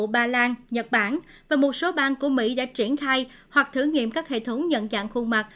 bà lan nhật bản và một số bang của mỹ đã triển khai hoặc thử nghiệm các hệ thống nhận dạng khuôn mặt